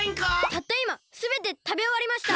たったいますべてたべおわりました！